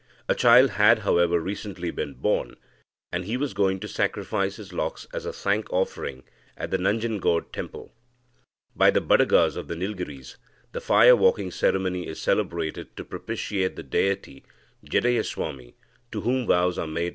A child had, however, recently been born, and he was going to sacrifice his locks as a thank offering at the Nanjengod temple. By the Badagas of the Nilgiris, the fire walking ceremony is celebrated to propitiate the deity Jeddayaswami, to whom vows are made.